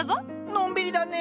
のんびりだねえ！